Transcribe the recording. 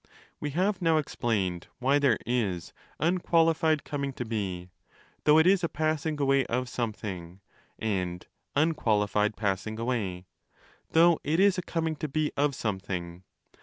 We have now explained why there is 'unqualified coming | to be' (though it is a passing away of something) and 'un qualified passing away' (though it is a coming to be of something).